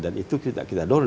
dan itu kita dorong